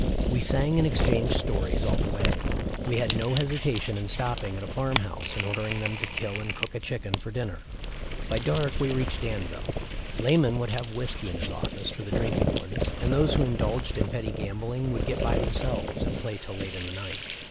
We sang and exchanged stories all the way. We had no hesi tation in stopping at a farm house and ordering them to kill and cook a chicken for dinner. By dark we reached Danville. Lamon would have whiskey in his office for the drinking ones, and those who indulged in petty gambling would get by themselves and play till late in the night.